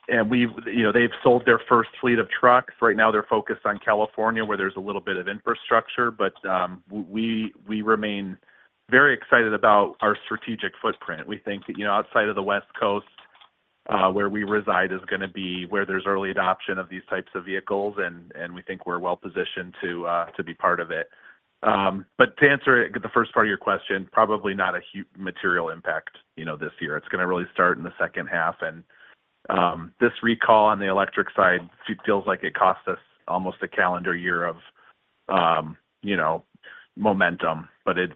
And we've you know, they've sold their first fleet of trucks. Right now, they're focused on California, where there's a little bit of infrastructure, but we remain very excited about our strategic footprint. We think that, you know, outside of the West Coast, where we reside is gonna be where there's early adoption of these types of vehicles, and we think we're well positioned to be part of it. But to answer it, the first part of your question, probably not a material impact, you know, this year. It's gonna really start in the second half. And this recall on the electric side feels like it cost us almost a calendar year of, you know, momentum, but it's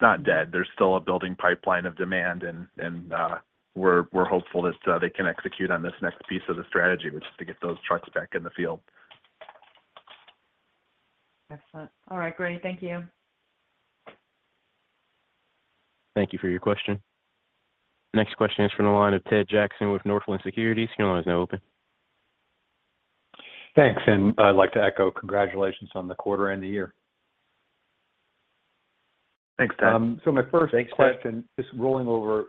not dead. There's still a building pipeline of demand, and we're hopeful that they can execute on this next piece of the strategy, which is to get those trucks back in the field. Excellent. All right, great. Thank you. Thank you for your question. Next question is from the line of Ted Jackson with Northland Securities. Your line is now open. Thanks, and I'd like to echo congratulations on the quarter end of the year. Thanks, Ted. So, my first... Thanks, Ted Question, just rolling over,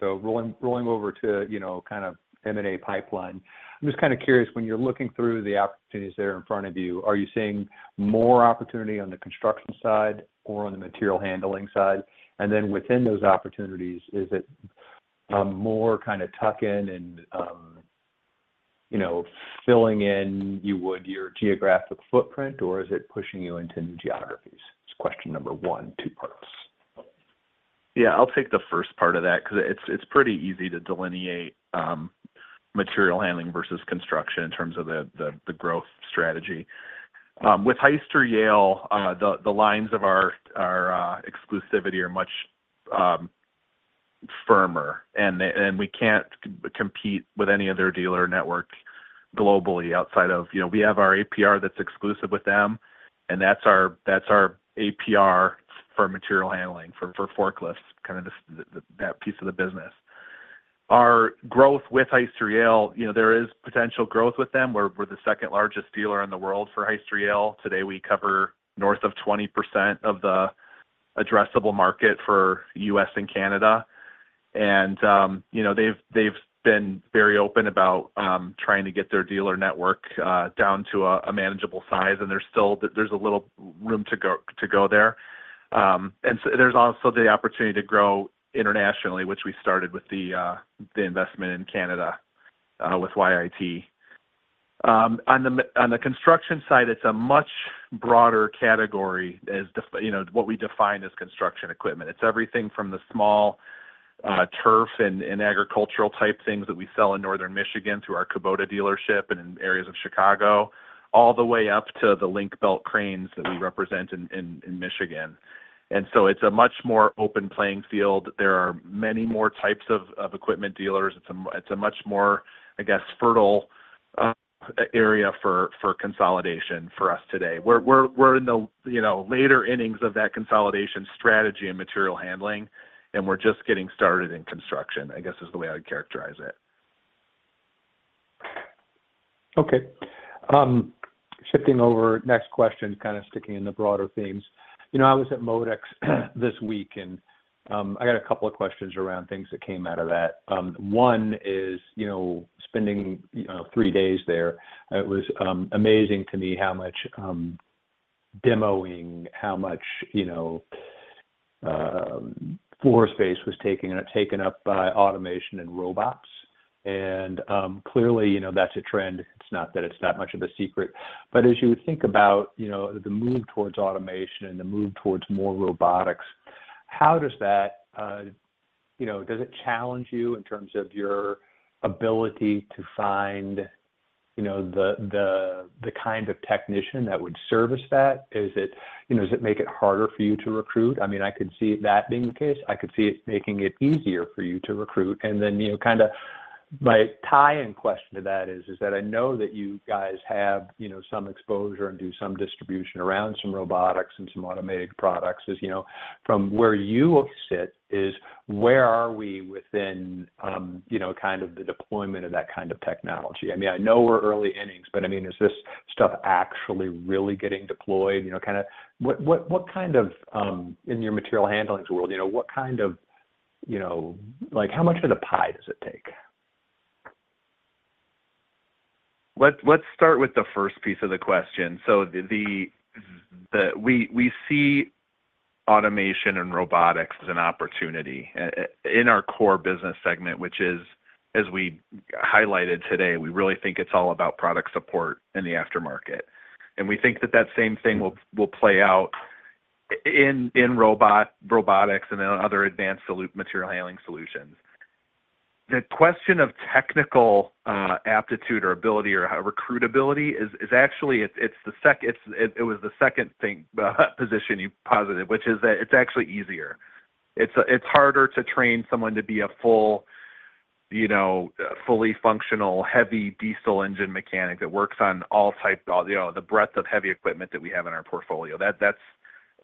so rolling over to, you know, kind of M&A pipeline. I'm just kind of curious, when you're looking through the opportunities that are in front of you, are you seeing more opportunity on the construction side or on the material handling side? And then within those opportunities, is it more kind of tuck in and, you know, filling in your geographic footprint, or is it pushing you into new geographies? It's question number one, two parts. Yeah, I'll take the first part of that, cause it's pretty easy to delineate material handling versus construction in terms of the growth strategy. With Hyster-Yale, the lines of our exclusivity are much firmer, and we can't compete with any other dealer network globally outside of, you know, we have our APR that's exclusive with them, and that's our APR for material handling, for forklifts, kind of just that piece of the business. Our growth with Hyster-Yale, you know, there is potential growth with them. We're the second largest dealer in the world for Hyster-Yale. Today, we cover north of 20% of the addressable market for US and Canada. You know, they've been very open about trying to get their dealer network down to a manageable size, and there's still a little room to go there. And so there's also the opportunity to grow internationally, which we started with the investment in Canada with Ault. On the construction side, it's a much broader category, as you know, what we define as construction equipment. It's everything from the small turf and agricultural-type things that we sell in Northern Michigan through our Kubota dealership and in areas of Chicago, all the way up to the Link-Belt cranes that we represent in Michigan. And so, it's a much more open playing field. There are many more types of equipment dealers. It's a much more, I guess, fertile area for consolidation for us today. We're in the, you know, later innings of that consolidation strategy and material handling, and we're just getting started in construction, I guess, is the way I'd characterize it. Okay. Shifting over, next question, kind of sticking in the broader themes. You know, I was at MODEX this week, and I got a couple of questions around things that came out of that. One is, you know, spending, you know, three days there, it was amazing to me how much demoing, how much, you know, floor space was taken up by automation and robots. And clearly, you know, that's a trend. It's not that it's that much of a secret. But as you think about, you know, the move towards automation and the move towards more robotics, how does that, you know, does it challenge you in terms of your ability to find, you know, the kind of technician that would service that? Is it? You know, does it make it harder for you to recruit? I mean, I could see that being the case. I could see it making it easier for you to recruit. And then, you know, kinda my tie-in question to that is, is that I know that you guys have, you know, some exposure and do some distribution around some robotics and some automated products. As you know, from where you sit, where are we within, you know, kind of the deployment of that kind of technology? I mean, I know we're early innings, but, I mean, is this stuff actually really getting deployed? You know, kinda what kind of in your material handling's world, you know, what kind of, you know, like, how much of the pie does it take? Let's start with the first piece of the question. So, we see automation and robotics as an opportunity in our core business segment, which is, as we highlighted today, we really think it's all about product support in the aftermarket. And we think that same thing will play out in robotics and then other advanced material handling solutions. The question of technical aptitude, or ability, or recruitability is actually the second thing, position you posited, which is that it's actually easier. It's harder to train someone to be a full, you know, fully functional, heavy diesel engine mechanic that works on all types, you know, the breadth of heavy equipment that we have in our portfolio. That's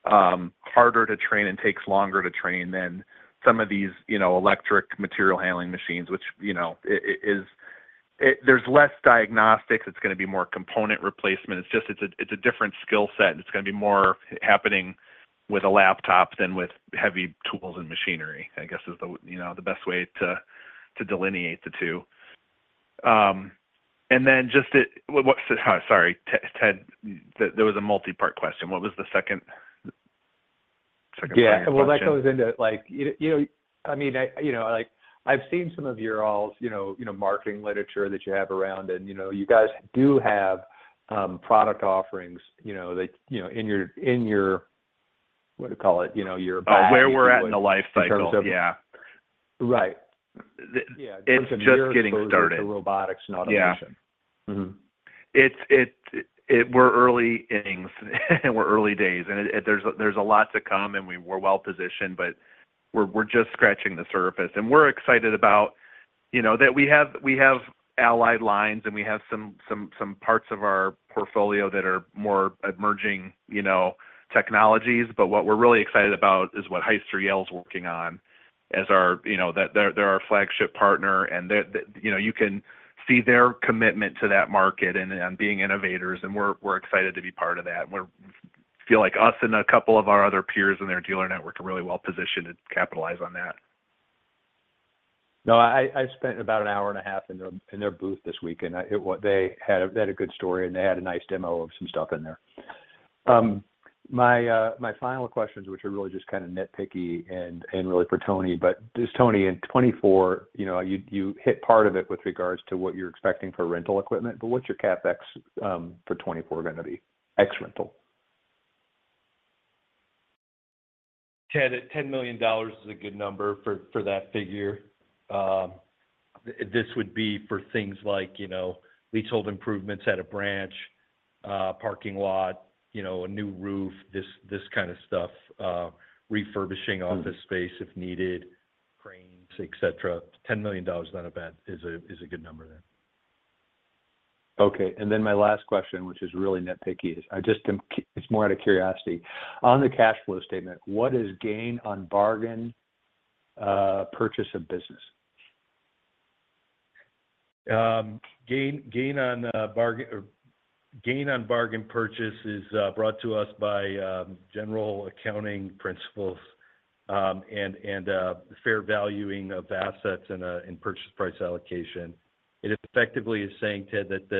harder to train and takes longer to train than some of these, you know, electric material handling machines, which, you know, is. It's. There's less diagnostics, it's gonna be more component replacement. It's just, it's a, it's a different skill set, and it's gonna be more happening with a laptop than with heavy tools and machinery, I guess is the, you know, the best way to, to delineate the two. And then just to... What, sorry, Ted, there, there was a multi-part question. What was the second, second part of the question? Yeah. Well, that goes into, like, you, you know, I mean, I, you know, like, I've seen some of your all's, you know, you know, marketing literature that you have around, and, you know, you guys do have, product offerings, you know, like, you know, in your, in your, what do you call it? You know, your... Oh, where we're at in the life cycle. In terms of... Yeah. Right. The... Yeah. It's just getting started. The robotics and automation. Yeah. Mm-hmm. We're early innings, and we're early days, and there's a lot to come, and we're well positioned, but we're just scratching the surface. And we're excited about, you know, that we have allied lines, and we have some parts of our portfolio that are more emerging, you know, technologies. But what we're really excited about is what Hyster-Yale is working on as our... You know, they're our flagship partner, and they, you know, you can see their commitment to that market and being innovators, and we're excited to be part of that. We feel like us and a couple of our other peers in their dealer network are really well positioned to capitalize on that. No, I spent about an hour and a half in their booth this week, and they had a good story, and they had a nice demo of some stuff in there. My final questions, which are really just kind of nitpicky and really for Tony, but just Tony, in 2024, you know, you hit part of it with regards to what you're expecting for rental equipment, but what's your CapEx for 2024 gonna be? Ex rental. Ted, $10 million is a good number for that figure. This would be for things like, you know, leasehold improvements at a branch, parking lot, you know, a new roof, this kind of stuff, refurbishing office space if needed, cranes, et cetera. $10 million is a good number then. Okay, and then my last question, which is really nitpicky, is I just... It's more out of curiosity. On the cash flow statement, what is gain on bargain purchase of business? Gain on bargain purchase is brought to us by general accounting principles and fair valuing of assets and purchase price allocation. It effectively is saying, Ted, that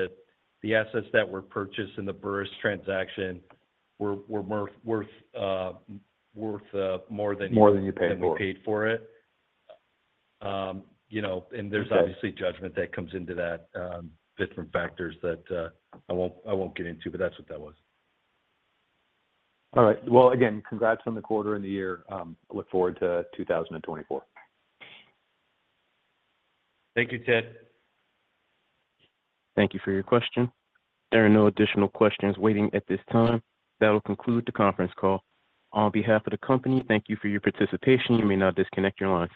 the assets that were purchased in the Burris transaction were worth more than... More than you paid for. Than we paid for it. You know, and there's... Okay Obviously, judgment that comes into that, different factors that I won't get into, but that's what that was. All right. Well, again, congrats on the quarter and the year. Look forward to 2024. Thank you, Ted. Thank you for your question. There are no additional questions waiting at this time. That will conclude the conference call. On behalf of the company, thank you for your participation. You may now disconnect your lines.